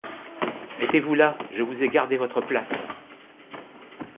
Mettez-vous là, je vous ai gardé votre place.